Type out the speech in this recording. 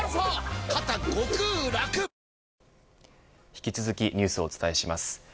引き続きニュースをお伝えします。